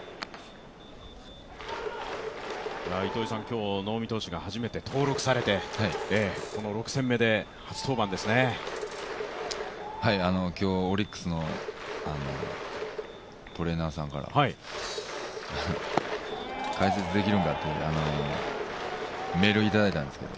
今日、能見投手が初めて登録されてこの６戦目で今日オリックスのトレーナーさんから解説できるんかとメールをいただいたんですよ。